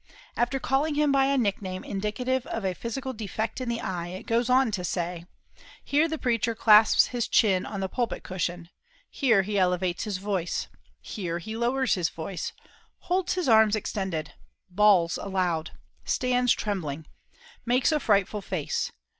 After calling him by a nickname indicative of a physical defect in the eye, it goes on to say: "Here the preacher clasps his chin on the pulpit cushion. Here he elevates his voice. Here he lowers his voice. Holds his arms extended. Bawls aloud. Stands trembling. Makes a frightful face.